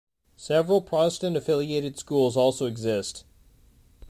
Several Protestant-affiliated schools also exist.